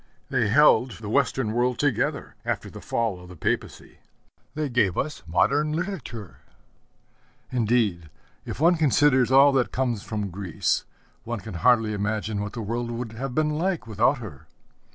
They held the Western world together after the fall of the Papacy. They gave us modern literature: indeed, if one considers all that comes from Greece, one can hardly imagine what the world would have been like without her.